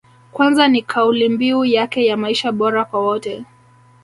Kwanza ni kaulimbiu yake ya maisha bora kwa wote